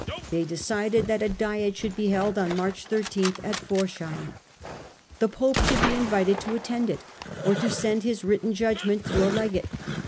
They decided that a diet should be held on March_13_at Forcheim. The pope should be invited to attend it, or to send his written judgment through a legate.